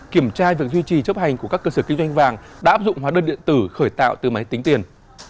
kiểm tra việc duy trì chấp hành của các cơ sở kinh doanh vàng đã áp dụng hóa đơn điện tử khởi tạo từ máy tính tiền